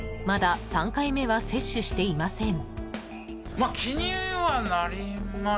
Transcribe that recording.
まだ３回目は接種していません。